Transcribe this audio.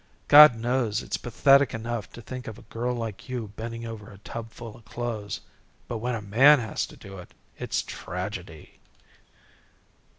God knows it's pathetic enough to think of a girl like you bending over a tubful of clothes. But when a man has to do it, it's a tragedy."